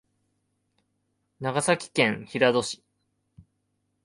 長崎県平戸市